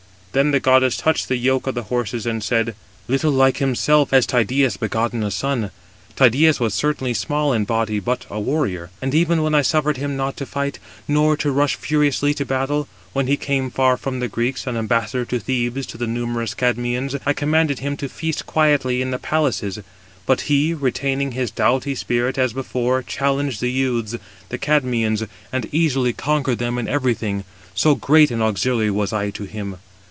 Then the goddess touched the yoke of the horses, and said: "Little like himself has Tydeus begotten a son. Tydeus was certainly small in body, but a warrior. And even when I suffered him not to fight, nor to rush furiously to battle, when he came far from the Greeks, an ambassador to Thebes to the numerous Cadmeans, I commanded him to feast quietly in the palaces; but he, retaining his doughty spirit, as before, challenged the youths, the Cadmeans, and easily conquered them in everything; so great an auxiliary was I to him.